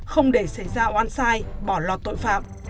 không để xảy ra oan sai bỏ lọt tội phạm